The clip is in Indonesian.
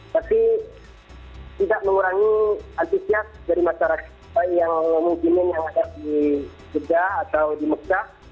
tapi tidak mengurangi antusias dari masyarakat yang mungkinin yang ada di jeddah atau di mekah